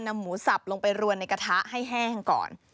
หมูสับลงไปรวนในกระทะให้แห้งก่อน